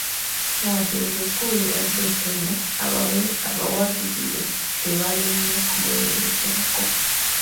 Wadde ng'enkuba ebadde etonnya, abawagizi be tebalemye kumuwerekerako.